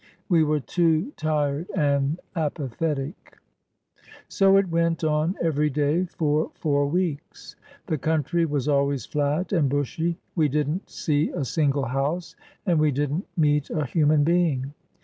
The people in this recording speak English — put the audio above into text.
We were too tired and apathetic. So it went on every day for four weeks. The country was always flat and bushy. We did n't see a single house and we did n't meet a human being.